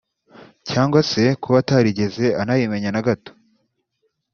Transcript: cyangwa se kuba atarigeze anayimenya na gato